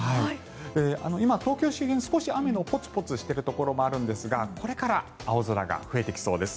今、東京周辺、少し雨がポツポツしているところがあるんですがこれから青空が増えてきそうです。